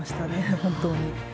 本当に。